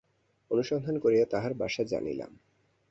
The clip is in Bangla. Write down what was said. অনুসন্ধান করিয়া তাহার বাসা জানিলাম।